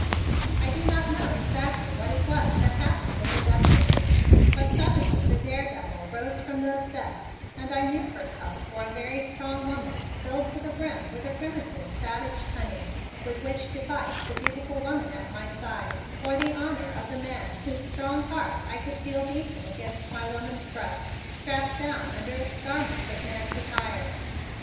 I do not know exactly what it was that happened in the depths of me, but suddenly the daredevil rose from those depths and knew herself for a very strong woman filled to the brim with a primitive, savage cunning with which to fight the beautiful woman at my side for the honor of the man whose strong heart I could feel beating against my woman's breast strapped down under its garment of man's attire.